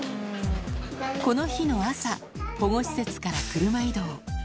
この日の朝、保護施設から車移動。